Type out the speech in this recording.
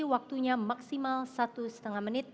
waktunya maksimal satu setengah menit